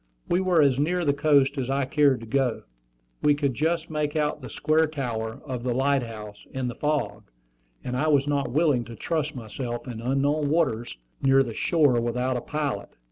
We were as near the coast as I cared to go. We could just make out the square tower of the light house in the fog, and I was not willing to trust myself in unknown waters near the shore without a pilot.